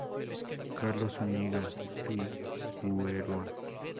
Carlos Zuñiga Figueroa.